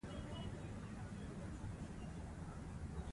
هغه غواړي د قانون حاکمیت یقیني کړي.